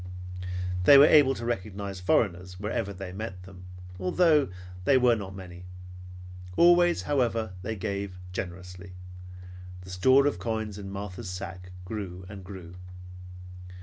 They were able to recognize foreigners wherever they met them, although they were not many. Always, however, they gave, and gave generously. The store of coins in Martha's sack grew and grew.